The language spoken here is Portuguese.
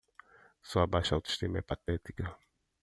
Sua baixa auto-estima é patética.